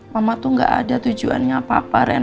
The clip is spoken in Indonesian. mama tuh gak ada tujuannya apa apa ren